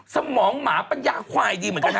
สมองหมาปัญญาควายดีเหมือนกันนะ